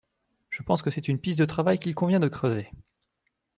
Je pense que c’est une piste de travail qu’il convient de creuser.